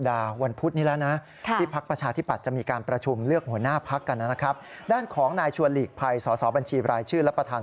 ทรวมลืมเลือกหัวหน้าปักกันนะน่ะครับด้านของนายชัวนฤกษ์ภัยศบัญชีรายชื่อรับประธาน